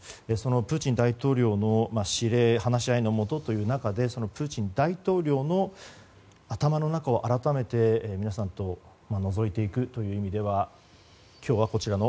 プーチン大統領の指令話し合いのもとという中でプーチン大統領の頭の中を改めて皆さんとのぞいていくという意味では、今日はこちらの